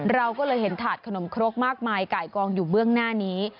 เราก็เลยเห็นถาดขนมครกมากมายไก่กองอยู่เบื้องหน้านี้